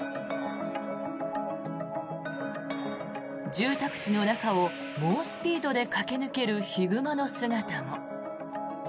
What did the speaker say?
住宅地の中を猛スピードで駆け抜けるヒグマの姿も。